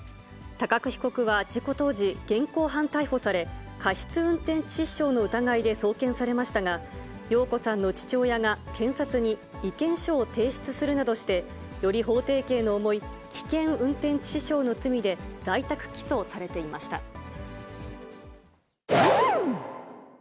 高久被告は事故当時、現行犯逮捕され、過失運転致傷の疑いで送検されましたが、耀子さんの父親が検察に意見書を提出するなどして、より法定刑の重い危険運転致死傷の罪で在宅起訴されていました。